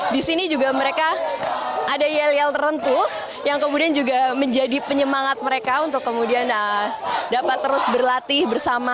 di sini juga mereka ada yel yel tertentu yang kemudian juga menjadi penyemangat mereka untuk kemudian dapat terus berlatih bersama